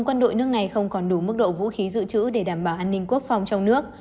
quân đội nước này không còn đủ mức độ vũ khí dự trữ để đảm bảo an ninh quốc phòng trong nước